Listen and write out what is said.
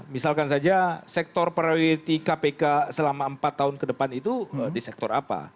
misalkan saja sektor priority kpk selama empat tahun ke depan itu di sektor apa